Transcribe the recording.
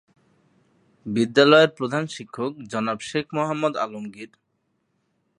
বিদ্যালয়ের প্রধান শিক্ষক জনাব শেখ মোহাম্মদ আলমগীর।